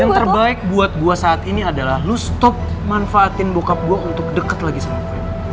yang terbaik buat gue saat ini adalah lu stop manfaatin bokap gue untuk deket lagi sama kalian